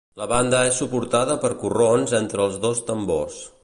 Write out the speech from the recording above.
La banda és suportada per corrons entre els dos tambors.